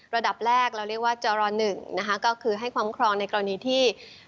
ระดับแรกเราเรียกว่าจร๑นะคะก็คือให้คุ้มครองในกรณีที่